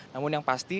namun yang pasti